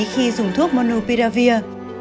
khi dùng thuốc monupiravir